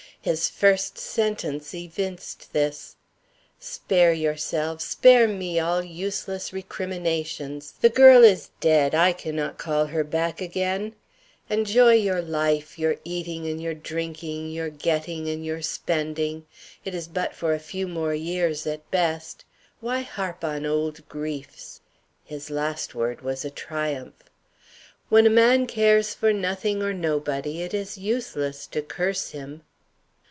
His first sentence evinced this. 'Spare yourselves, spare me all useless recriminations. The girl is dead; I cannot call her back again. Enjoy your life, your eating and your drinking, your getting and your spending; it is but for a few more years at best. Why harp on old 'griefs?' His last word was a triumph. 'When a man cares for nothing or nobody, it is useless to curse him.'